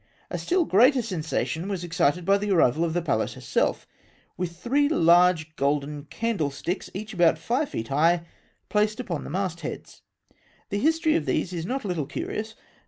175 A still greater sensation was excited by the arrival of the Pallas herself, with three large golden candle sticks, each about five feet high, placed upon the mast heads. The history of these is not a httle curious.